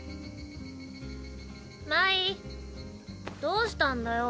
どうしたんだよ？